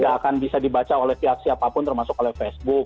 tidak akan bisa dibaca oleh pihak siapapun termasuk oleh facebook